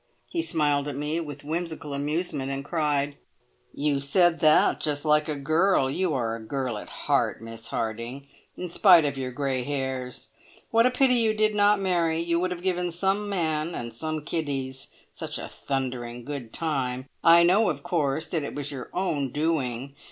He smiled at me with whimsical amusement, and cried, "You said that just like a girl. You are a girl at heart, Miss Harding, in spite of your grey hairs. What a pity you did not marry, you would have given some man and some kiddies such a thundering good time. I know, of course, that it was your own doing.